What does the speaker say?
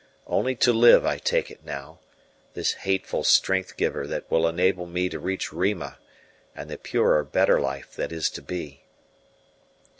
Only to live I take it now this hateful strength giver that will enable me to reach Rima, and the purer, better life that is to be."